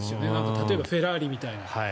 例えば、フェラーリみたいな。